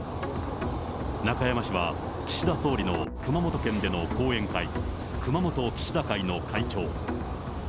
中山氏は、岸田総理の熊本県での後援会、熊本岸田会の会長。